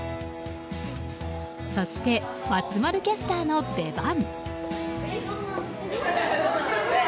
そして、松丸キャスターの出番。